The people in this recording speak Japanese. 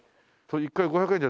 一回５００円で。